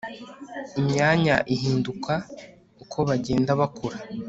imyanya ihinduka uko bagenda bakura